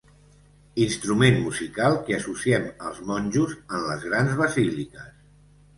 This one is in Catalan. Instrument musical que associem als monjos en les grans basíliques.